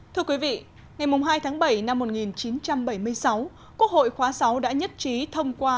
thưa quý vị ngày hai tháng bảy năm một nghìn chín trăm bảy mươi sáu quốc hội khóa sáu đã nhất trí thông qua